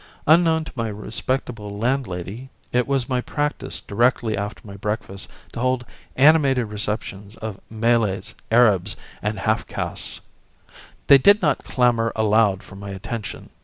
Unknown to my respectable landlady, it was my practice directly after my breakfast to hold animated receptions of Malays, Arabs and half castes. They did not clamour aloud for my attention.